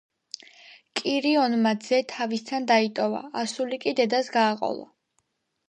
კირიონმა ძე თავისთან დაიტოვა, ასული კი დედას გააყოლა.